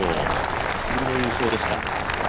久しぶりの優勝でした。